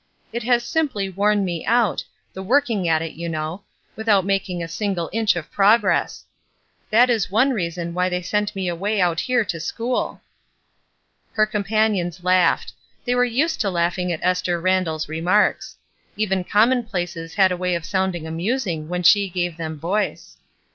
It has simply worn me out, the working at it, you know, without making a single inch of progress. That is one reason why they sent me away out here to school." Her companions laughed. They were used to laughing at Esther Randall's remarks. Even commonplaces had a way of sounding amusing when she gave them voice.